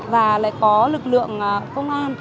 và lại có lực lượng công an